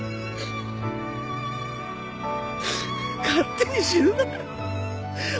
勝手に死ぬなよ。